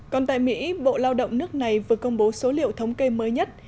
còn tại mỹ bộ lao động nước này vừa công bố số liệu thống kê mới nhất